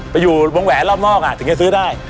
ไปอยู่วงแหวนรอบนอกถึงจะซื้อได้